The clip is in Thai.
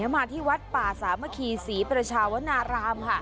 มาที่วัดป่าสามัคคีศรีประชาวนารามค่ะ